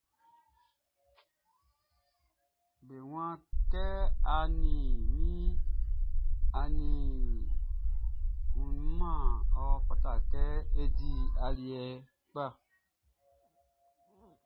Be waan kɛ a nin a wumanʼn, ɔ fata kɛ a di aliɛ kpa.